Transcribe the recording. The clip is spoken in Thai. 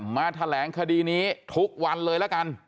มาแถลงอาทิตย์นี้ทุกวันเลยละกัน